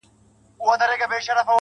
د زنده باد د مردباد په هديره كي پراته.